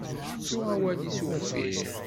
Tettu awal-is uffir.